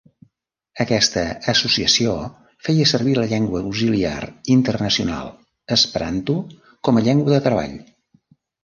Aquesta associació feia servir la llengua auxiliar internacional esperanto com a llengua de treball.